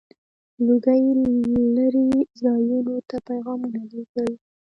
• لوګی لرې ځایونو ته پيغامونه لیږل.